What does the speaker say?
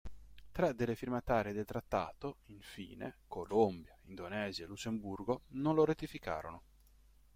Tre delle firmatarie del trattato, infine, Colombia, Indonesia e Lussemburgo, non lo ratificarono.